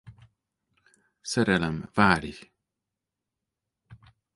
Szerelem várj!